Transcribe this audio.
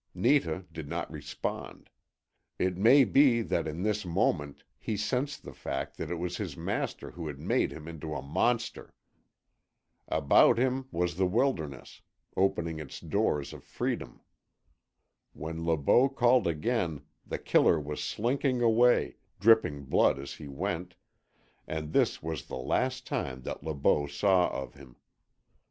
Netah did not respond. It may be that in this moment he sensed the fact that it was his master who had made him into a monster. About him was the wilderness, opening its doors of freedom. When Le Beau called again The Killer was slinking away, dripping blood as he went and this was the last that Le Beau saw of him.